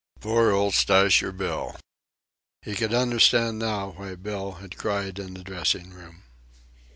Poor old Stowsher Bill! He could understand now why Bill had cried in the dressing room.